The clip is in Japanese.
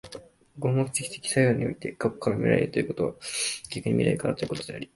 合目的的作用において、過去から未来へということは逆に未来からということであり、